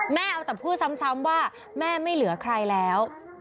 เอาแต่พูดซ้ำว่าแม่ไม่เหลือใครแล้ว